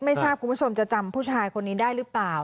ไม่ทราบคุณผู้ชมจะจำผู้ชายคนนี้ได้หรือเปล่า